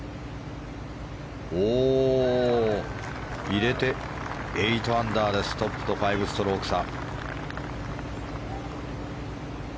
入れて、８アンダーでトップと５ストローク差。